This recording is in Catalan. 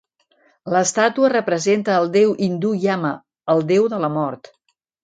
L'estàtua representa el déu hindú Yama, el déu de la mort.